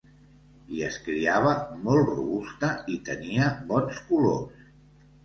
I es criava molt robusta, i tenia bons colors.